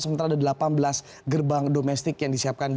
sementara ada delapan belas gerbang domestik yang disiapkan